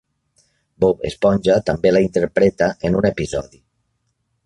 Bob Esponja també la interpreta en un episodi.